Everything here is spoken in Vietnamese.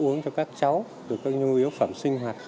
uống cho các cháu được các nhu yếu phẩm sinh hoạt